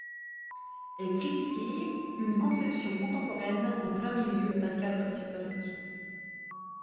Est critiquée une conception contemporaine en plein milieu d'un cadre historique.